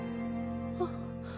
あっ。